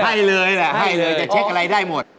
ให้เลยแหละให้เลยจะเช็คอะไรได้หมด